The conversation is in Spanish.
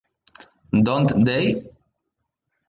Don’t They?